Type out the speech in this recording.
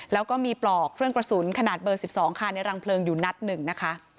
แล้วก็มีปลอกเครื่องกระสุนขนาดเบอร์๑๒ค่ะในรังเพลิงอยู่นัดหนึ่งนะคะ